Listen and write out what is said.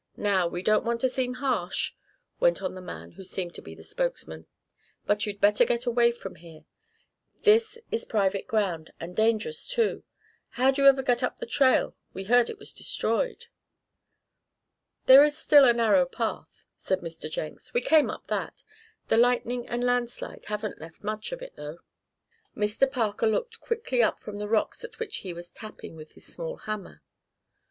"Now, we don't want to seem harsh," went on the man who seemed to be the spokesman, "but you'd better get away from here. This is private ground, and dangerous too how'd you ever get up the trail we heard it was destroyed." "There is still a narrow path," said Mr. Jenks. "We came up that the lightning and landslide haven't left much of it, though." Mr. Parker looked quickly up from the rocks at which he was tapping with his small hammer.